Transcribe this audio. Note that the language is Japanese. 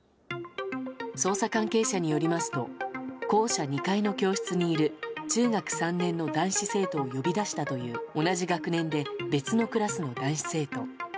捜査関係者によりますと校舎２階の教室にいる中学３年の男子生徒を呼び出したという、同じ学年で別のクラスの男子生徒。